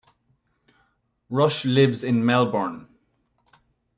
Rush lives in Melbourne.